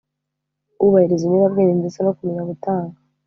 wubahiriza inyurabwenge ndetse no kumenya gutanga